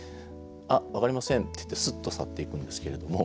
「あっ分かりません」って言ってすっと去っていくんですけれども。